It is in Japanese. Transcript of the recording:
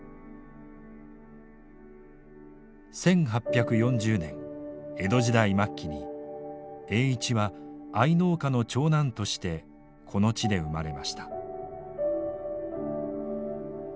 １８４０年江戸時代末期に栄一は藍農家の長男としてこの地で生まれました。